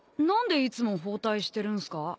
何でいつも包帯してるんすか？